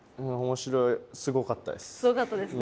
すごかったですね。